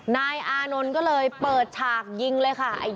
นายอานนท์ก็เลยเปิดฉากยิงเลยค่ะ